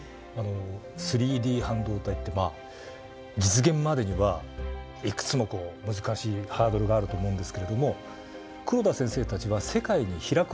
３Ｄ半導体って実現までにはいくつも難しいハードルがあると思うんですけれども黒田先生たちは世界に開く